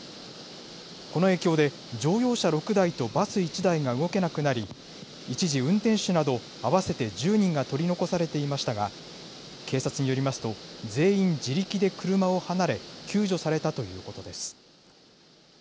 この影響で、乗用車６台とバス１台が動けなくなり、一時運転手など合わせて１０人が取り残されていましたが、警察によりますと、全員自力で車を離れ、救助されたということです。